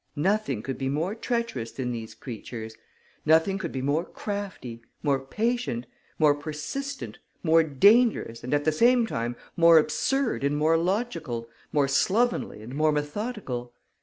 Nothing could be more treacherous than these creatures. Nothing could be more crafty, more patient, more persistent, more dangerous and at the same time more absurd and more logical, more slovenly and more methodical.